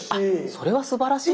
それはすばらしい。